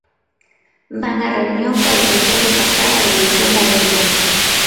Van á reunión coa intención de pactar a devolución da débeda.